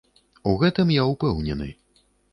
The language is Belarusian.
У гэтым я ўпэўнены.